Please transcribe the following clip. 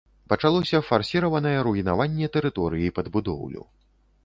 Пачалося фарсіраванае руйнаванне тэрыторыі пад будоўлю.